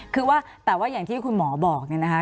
คือว่าแต่ว่าอย่างที่คุณหมอบอกเนี่ยนะคะ